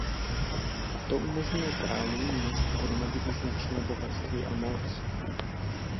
To umožnilo králům měst hromadit značné bohatství a moc.